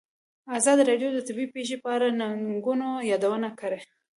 ازادي راډیو د طبیعي پېښې په اړه د ننګونو یادونه کړې.